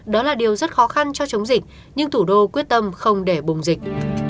đó là điều rất khó khăn cho chống dịch nhưng thủ đô quyết tâm không để bùng dịch